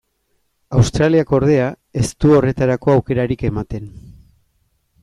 Australiak, ordea, ez du horretarako aukerarik ematen.